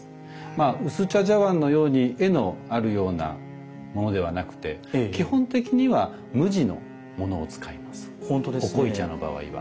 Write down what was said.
薄茶茶碗のように絵のあるようなものではなくて基本的には無地のものを使いますお濃茶の場合は。